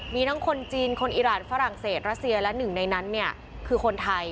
มีทั้งคนจีนคนอิรันดิ์ฝรั่งเศสรัสเซียและ๑ในนั้นคือคนไทย